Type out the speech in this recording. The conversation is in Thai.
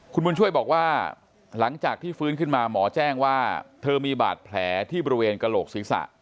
คุณบุญช่วยบอกว่าหลังจากที่ฟื้นขึ้นมาหมอแจ้งว่าเธอมีบาดแผลที่บริเวณกระโหลกศีรษะ